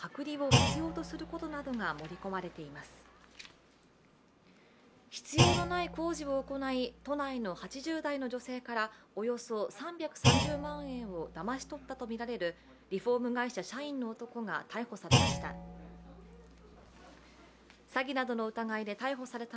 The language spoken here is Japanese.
必要のない工事を行い都内の８０代の女性からおよそ３３０万円をだまし取ったとみられるリフォーム会社社員の男が逮捕されました。